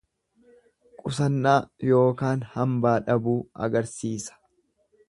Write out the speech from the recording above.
Qusannaa yookaan hambaa dhabuu agarsiisa.